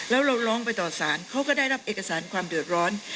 แล้วเราร้องไปต่อสารเขาก็ได้รับเอกสารความเดือดร้อน